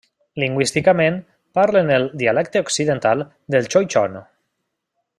Lingüísticament parlen el dialecte occidental del xoixon.